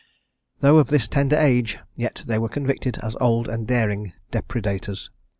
Though of this tender age, yet were they convicted as old and daring depredators.